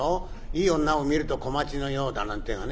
いい女を見ると小町のようだなんてぇがね